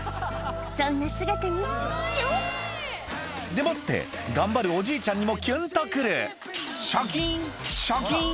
そんな姿にキュンでもって頑張るおじいちゃんにもキュンとくるシャキン！